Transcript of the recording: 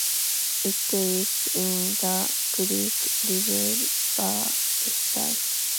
It is in the Greek Revival style.